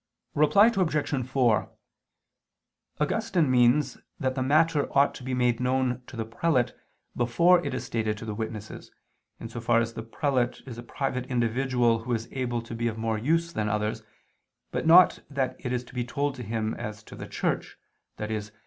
Reply Obj. 4: Augustine means that the matter ought to be made known to the prelate before it is stated to the witnesses, in so far as the prelate is a private individual who is able to be of more use than others, but not that it is to be told him as to the Church, i.e.